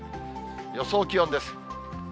予想気温です。